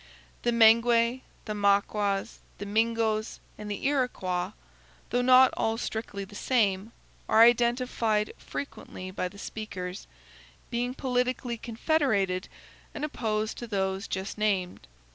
The Mengwe, the Maquas, the Mingoes, and the Iroquois, though not all strictly the same, are identified frequently by the speakers, being politically confederated and opposed to those just named.